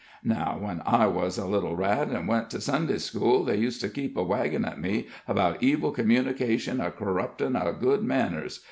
Now, when I wuz a little rat, an' went to Sunday school, they used to keep a waggin' at me 'bout evil communication a corruptin' o' good manners.